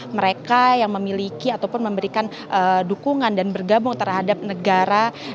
mereka yang memiliki ataupun memberikan dukungan dan bergabung terhadap negara